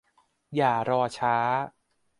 อย่ารอช้า